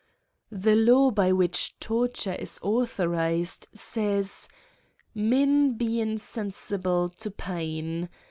The law by which torture is authorised, says, Mffi^ be insensible to pain.